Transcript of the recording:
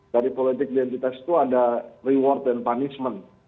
jadi politik identitas itu ada reward dan punishment